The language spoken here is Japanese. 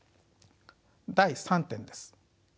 第３点です。